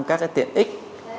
các cái tiện ích